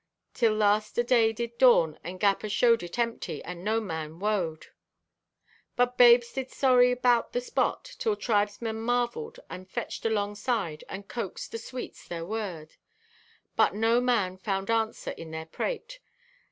Till last a day did dawn and gap ashowed it empty and no man woed; but babes did sorry 'bout the spot 'till tribesmen marveled and fetched alongside and coaxed with sweets their word. But no man found answer in their prate.